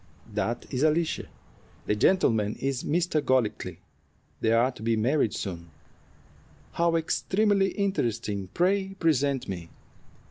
"That is Alicia. The gentleman is Mr. Golightly. They are to be married soon." "How extremely interesting! Pray present me."